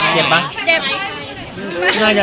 ยังไม่เสร็จ